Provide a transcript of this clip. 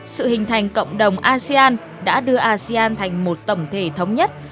sự hình thành cộng đồng asean đã đưa asean thành một tổng thể thống nhất